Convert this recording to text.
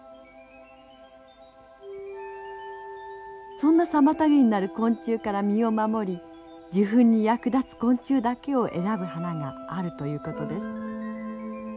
そんな妨げになる昆虫から身を守り受粉に役立つ昆虫だけを選ぶ花があるということです。